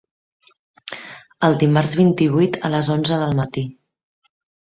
El dimarts vint-i-vuit a les onze del matí.